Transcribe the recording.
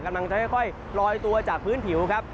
กำลังจะค่อยลอยตัวจากพื้นผิวครับ